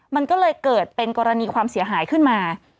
มันก็เลยเกิดเป็นกรณีความเสียหายขึ้นมา